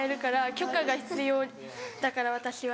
許可が必要だから私は。